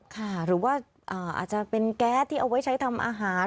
ค่ะหรือว่าอาจจะเป็นแก๊สที่เอาไว้ใช้ทำอาหาร